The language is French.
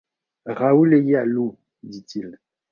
Raoul est ialoux, dit-il.